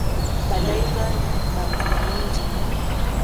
Bannayuganda bantu balungi nnyo.